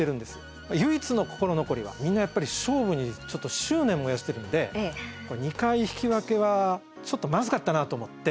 唯一の心残りはみんなやっぱり勝負に執念燃やしてるので２回引き分けはちょっとまずかったなと思って。